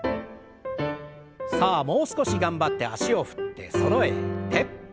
さあもう少し頑張って脚を振ってそろえて。